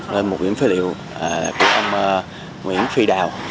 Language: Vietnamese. về một điểm phế liệu của ông nguyễn phi đào